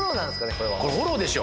これはこれフォローでしょ